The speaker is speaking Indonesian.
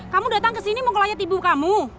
kamu datang ke sini mau ngelayat ibu kamu